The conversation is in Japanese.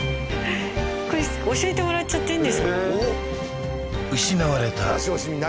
これ教えてもらっちゃっていいんですか？